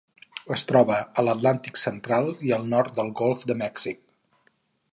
Es troba a l'Atlàntic central i al nord del Golf de Mèxic.